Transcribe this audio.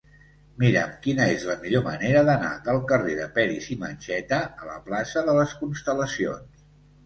Mira'm quina és la millor manera d'anar del carrer de Peris i Mencheta a la plaça de les Constel·lacions.